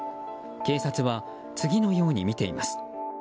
警察は、次のようにみています。